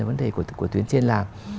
vấn đề của tuyến tiên làm